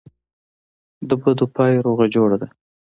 دبدو پای روغه جوړه ده.